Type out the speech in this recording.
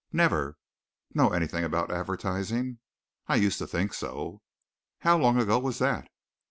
"Never." "Know anything about advertising?" "I used to think so." "How long ago was that?"